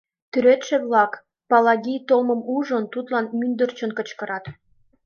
Тӱредше-влак, Палаги толмым ужын, тудлан мӱндырчын кычкырат: